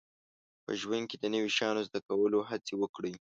په ژوند کې د نوي شیانو زده کولو هڅې وکړئ